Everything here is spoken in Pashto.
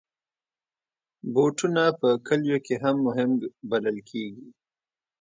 بوټونه په کلیو کې هم مهم بلل کېږي.